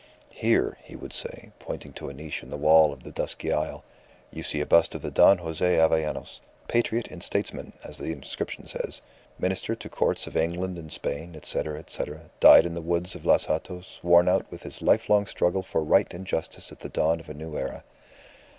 "Here," he would say, pointing to a niche in the wall of the dusky aisle, "you see the bust of Don Jose Avellanos, 'Patriot and Statesman,' as the inscription says, 'Minister to Courts of England and Spain, etc., etc., died in the woods of Los Hatos worn out with his lifelong struggle for Right and Justice at the dawn of the New Era.